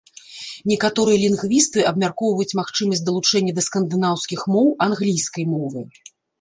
Некаторыя лінгвісты абмяркоўваюць магчымасць далучэння да скандынаўскіх моў англійскай мовы.